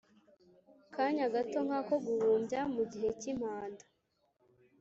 Kanya gato nk ako guhumbya mu gihe cy impanda